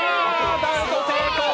ダウト成功。